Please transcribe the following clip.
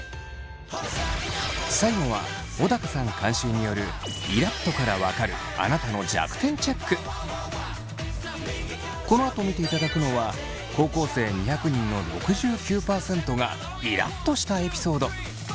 最後は小高さん監修によるこのあと見ていただくのは高校生２００人の６９％がイラっとしたエピソード。